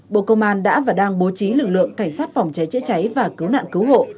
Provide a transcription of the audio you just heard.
bộ công an đã và đang bố trí lực lượng cảnh sát phòng cháy chữa cháy và cứu nạn cứu hộ